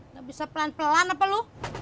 nggak bisa pelan pelan apa loh